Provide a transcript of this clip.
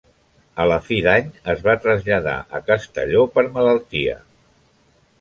A la fi d'any es va traslladar a Castelló, per malaltia.